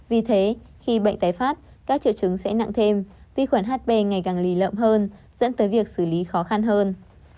vì thế khi bệnh tái phát các triệu chứng sẽ nặng thêm vi khuẩn hp ngày càng lì lợm hơn dẫn tới việc xử lý khó khăn hơn